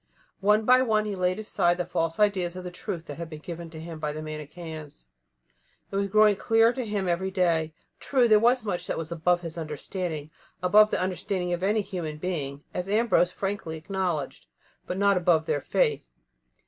One by one he laid aside the false ideas of the truth that had been given to him by the Manicheans. It was growing clearer to him every day. True, there was much that was above his understanding above the understanding of any human being, as Ambrose frankly acknowledged but not above their faith.